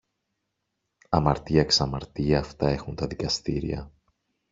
Αμαρτία, ξαμαρτία, αυτά έχουν τα δικαστήρια!